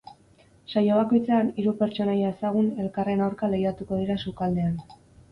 Saio bakoitzean, hiru pertsonaia ezagun elkarren aurka lehiatuko dira sukaldean.